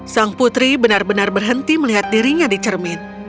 sang putri benar benar berhenti melihat dirinya di cermin